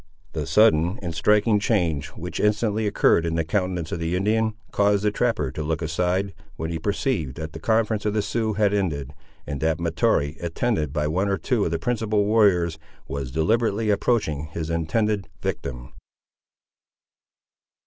The sudden and striking change, which instantly occurred in the countenance of the Indian, caused the trapper to look aside, when he perceived that the conference of the Siouxes had ended, and that Mahtoree, attended by one or two of the principal warriors, was deliberately approaching his intended victim.